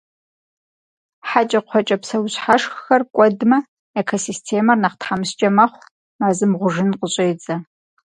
Хьэкӏэкхъуэкӏэ псэущхьэшххэр кӀуэдмэ, экосистемэр нэхъ тхьэмыщкӀэ мэхъу, мэзым гъужын къыщӀедзэ.